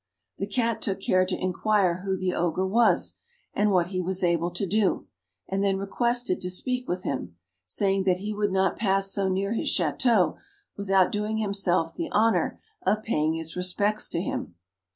The Cat took care to inquire who the Ogre was, and what he was able to do; and then requested to speak with him, saying that he would not pass so near his Château without doing himself the honour of paying his respects to him.